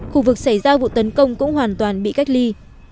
khu vực xảy ra vụ tấn công cũng hoàn toàn bị cách ly